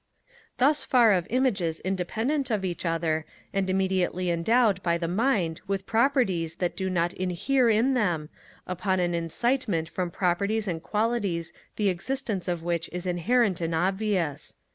Thus far of images independent of each other, and immediately endowed by the mind with properties that do not inhere in them, upon an incitement from properties and qualities the existence of which is inherent and obvious.